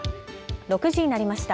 ６時になりました。